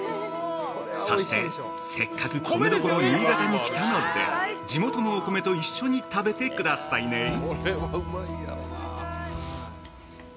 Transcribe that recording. そして、せっかく米どころ新潟に来たので、地元のお米と一緒に食べてくださいね！